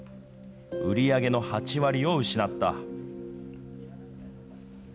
売り上げの８割を失った。